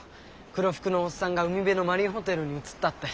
黒服のオッサンが海辺のマリンホテルに移ったって。